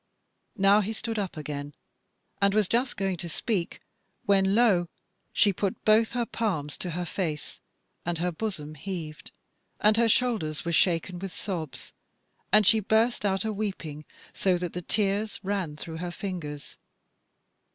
Now he stood up again and was just going to speak, when lo! she put both her palms to her face, and her bosom heaved, and her shoulders were shaken with sobs, and she burst out a weeping, so that the tears ran through her fingers.